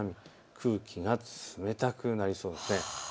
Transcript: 空気が冷たくなりそうです。